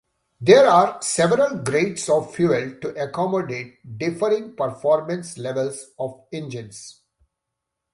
There are several grades of fuel to accommodate differing performance levels of engines.